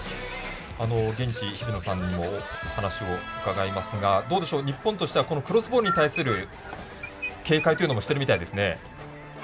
現地、日々野さんにもお話を伺いますが、どうでしょう日本としてはクロスボールに対する警戒というのもしてるみたいですね。